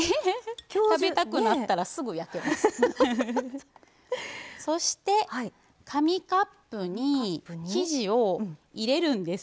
食べたくなったらすぐ焼けます。